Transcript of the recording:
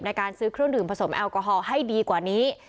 ในการซื้อเครื่องดื่มผสมแอลกอฮอล์ให้ดีกว่านี้